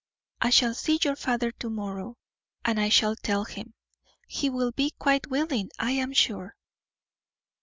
I shall see your father to morrow, and I shall tell him; he will be quite willing, I am sure."